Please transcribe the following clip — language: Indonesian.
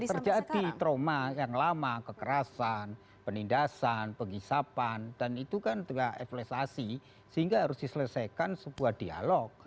terjadi trauma yang lama kekerasan penindasan penghisapan dan itu kan juga efestasi sehingga harus diselesaikan sebuah dialog